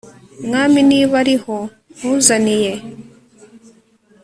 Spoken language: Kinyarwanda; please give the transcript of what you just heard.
Mwami niba ariho nkuzaniye